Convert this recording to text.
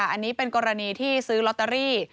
อันนี้เป็นกรณีที่ซื้อลอตเตอรี่